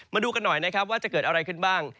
มาดูกันหน่อยนะครับว่าจะเกิดอะไรขึ้นบ้าง